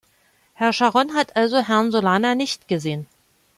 Herr Scharon hat also Herrn Solana nicht gesehen.